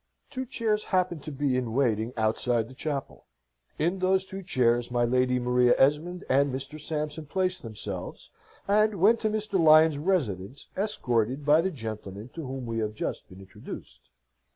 Two chairs happened to be in waiting outside the chapel. In those two chairs my Lady Maria Esmond and Mr. Sampson placed themselves, and went to Mr. Lyons's residence, escorted by the gentlemen to whom we have just been introduced.